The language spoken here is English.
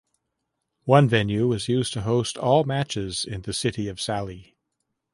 One venue was used to host all matches in the city of Saly.